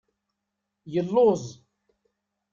Yelluẓ.